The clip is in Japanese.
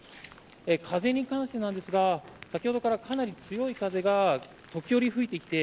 風に関してですが先ほどから、かなり強い風が時折吹いてきて